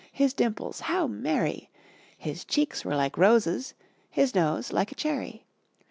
his dimples how merry! His cheeks were like roses, his nose like a cherry!